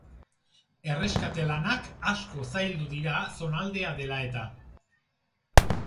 Erreskate-lanak asko zaildu dira zonaldea dela eta.